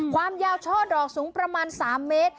ความยาวช่อดอกสูงประมาณ๓เมตร